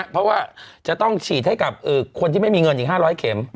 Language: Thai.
เพราะว่าจะต้องฉีดให้กับคนที่ไม่มีเงินอีก๕๐๐เข็ม